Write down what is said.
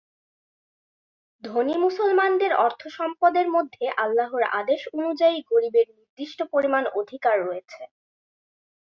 ধনী মুসলমানদের অর্থ-সম্পদের মধ্যে আল্লাহর আদেশ অনুযায়ী গরিবের নির্দিষ্ট পরিমাণ অধিকার রয়েছে।